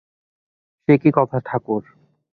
সে কী কথা ঠাকুর!